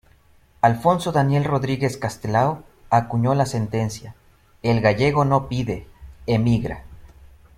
Alfonso Daniel Rodríguez Castelao acuñó la sentencia "el gallego no pide, emigra".